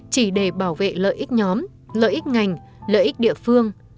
chỉ để bảo vệ lợi ích nhóm lợi ích ngành lợi ích địa phương